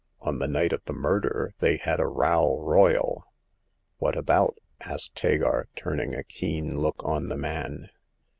On the night of the murder they had a row royal !"" What about ?asked Hagar, turning a keen look on the man.